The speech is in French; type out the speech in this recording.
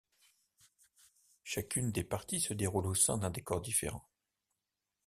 Chacune des parties se déroule au sein d'un décor différent.